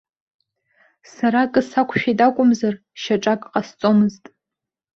Сара акы сақәшәеит акәымзар, шьаҿак ҟасҵомызт.